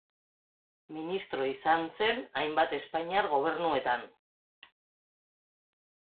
Ministro izan zen hainbat espainiar gobernuetan.